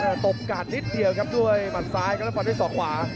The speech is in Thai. เออตบกัดหนิดเดียวครับด้วยหมาสายกับส่อขวา